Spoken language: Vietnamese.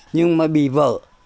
nhưng mà bị vỡ